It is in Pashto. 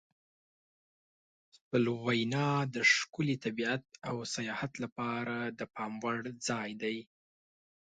سلووینیا د ښکلي طبیعت او سیاحت لپاره د پام وړ ځای دی.